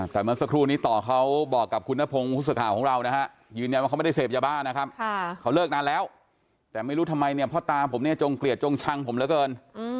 แต่เมื่อสักครู่นี้ต่อเขาบอกกับคุณนพงศ์ผู้สื่อข่าวของเรานะฮะยืนยันว่าเขาไม่ได้เสพยาบ้านะครับเขาเลิกนานแล้วแต่ไม่รู้ทำไมเนี่ยพ่อตาผมเนี่ยจงเกลียดจงชังผมเหลือเกิน